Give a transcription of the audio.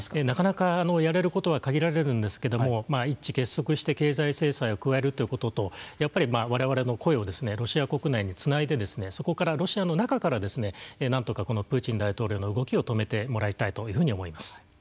なかなかやれることは限られるんですけど一致結束して経済制裁を加えるということとやっぱりわれわれの声をロシア国内につないでそこからロシアの中からなんとか、このプーチン大統領の動きを止めてもらいたいというふうに思います。